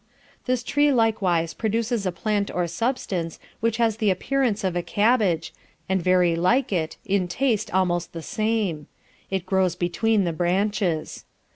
This tree likewise produces a plant or substance which has the appearance of a cabbage, and very like it, in taste almost the same: it grows between the branches.